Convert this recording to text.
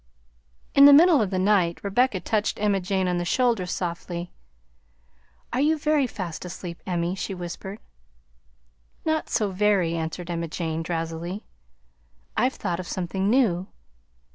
In the middle of the night Rebecca touched Emma Jane on the shoulder softly. "Are you very fast asleep, Emmie?" she whispered. "Not so very," answered Emma Jane drowsily. "I've thought of something new.